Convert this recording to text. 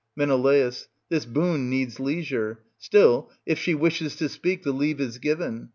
Men. This boon needs leisure; still, if she wishes to speak, the leave is given.